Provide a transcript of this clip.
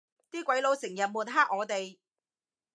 啲鬼佬成日抹黑我哋